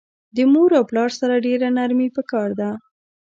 د مور او پلار سره ډیره نرمی پکار ده